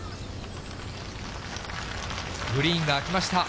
グリーンが空きました。